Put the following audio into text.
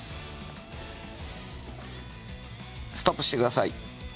ストップしてください。